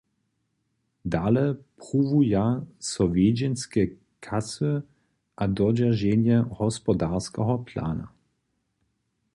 Dale pruwuja so wjedźenje kasy a dodźerženje hospodarskeho plana.